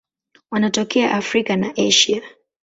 Wanatokea Afrika na Asia.